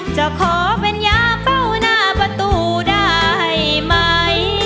จะขอเป็นยาเป้าหน้าประตูได้ไหม